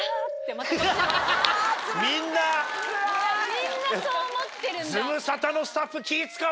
みんなそう思ってるんだって。